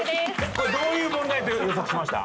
これどういう問題と予測しました？